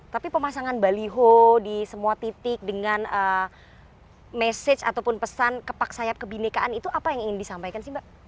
tapi pemasangan baliho di semua titik dengan message ataupun pesan kepak sayap kebinekaan itu apa yang ingin disampaikan sih mbak